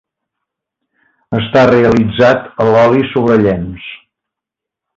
Està realitzat a l'oli sobre llenç.